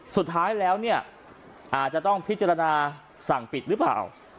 สุดท้ายแล้วเนี่ยอาจจะต้องพิจารณาสั่งปิดหรือเปล่า